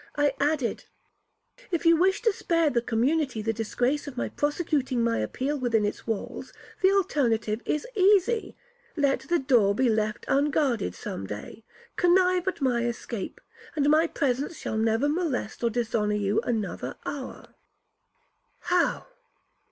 I added, 'If you wish to spare the community the disgrace of my prosecuting my appeal within its walls, the alternative is easy. Let the door he left unguarded some day, connive at my escape, and my presence shall never molest or dishonour you another hour.' 'How!